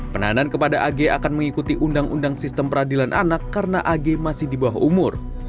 penahanan kepada ag akan mengikuti undang undang sistem peradilan anak karena ag masih di bawah umur